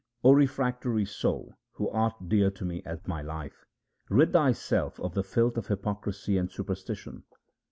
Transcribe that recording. HYMNS OF GURU RAM DAS 299 O refractory soul, who art dear to me as my life, rid thyself of the filth of hypocrisy and superstition.